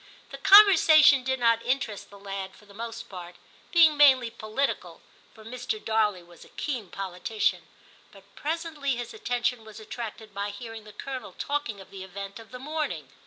* The conversation did not interest the lad for the most part, being mainly political (for Mr. Darley was a keen politician) ; but presently his attention was attracted by hearing the Colonel talking of the event of the morning.